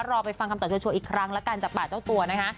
รอไปฟังคำตอบเฉยอีกครั้งละกันจากบาดเจ้าตัวนะฮะ